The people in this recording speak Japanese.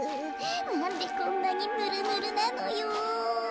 なんでこんなにヌルヌルなのよ。